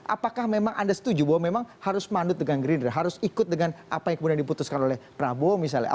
apakah memang anda setuju bahwa memang harus mandut dengan gerindra harus ikut dengan apa yang kemudian diputuskan oleh prabowo misalnya